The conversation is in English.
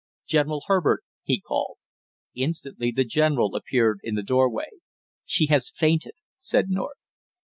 "General Herbert!" he called. Instantly the general appeared in the doorway. "She has fainted!" said North.